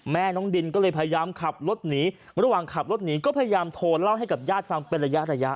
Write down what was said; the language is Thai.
แม่น้องดินก็เลยพยายามขับรถหนีระหว่างขับรถหนีก็พยายามโทรเล่าให้กับญาติฟังเป็นระยะระยะ